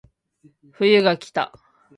冬がきた